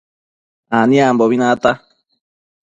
Aniambobi nata